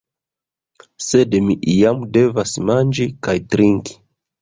Sed mi iam devas manĝi kaj trinki.